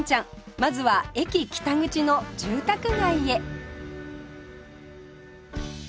まずは駅北口の住宅街へ